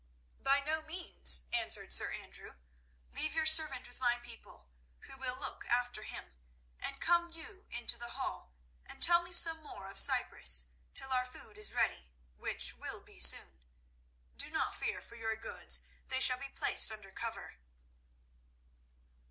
"By no means," answered Sir Andrew. "Leave your servant with my people, who will look after him, and come you into the hall, and tell me some more of Cyprus till our food is ready, which will be soon. Do not fear for your goods; they shall be placed under cover."